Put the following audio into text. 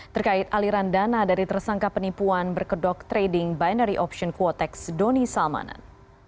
terkait aliran dana dari tersangka penipuan berkedok trading binary option quotex doni salmanan